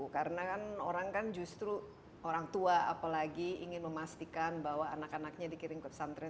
karena kan orang kan justru orang tua apalagi ingin memastikan bahwa anak anaknya dikirim ke pesantren